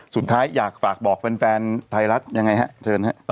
สุดท้ายอยากฝากบอกแฟนไทยรัฐยังไงฮะเชิญครับ